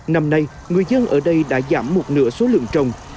năm nay người dân ở đây đã giảm một nửa số lượng trồng